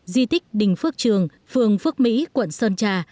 di tích đình phước trường phường phước mỹ quận sơn trà